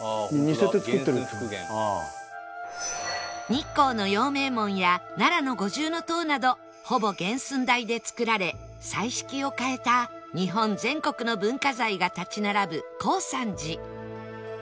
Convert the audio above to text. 日光の陽明門や奈良の五重塔などほぼ原寸大で造られ彩色を変えた日本全国の文化財が立ち並ぶ耕三寺